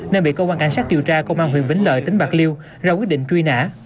nên bị cơ quan cảnh sát điều tra công an huyện vĩnh lợi tỉnh bạc liêu ra quyết định truy nã